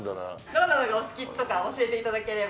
どんなのがお好きとか教えて頂ければ。